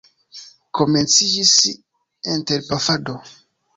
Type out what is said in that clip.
Komenciĝis interpafado.